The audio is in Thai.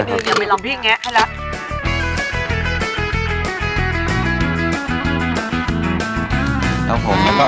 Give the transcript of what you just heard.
ก็ใส่เป็นตัวสีบัรดีเลยเท่าได้ครับ